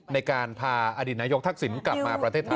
ในการพาอดีตนายกทักษิณกลับมาประเทศไทย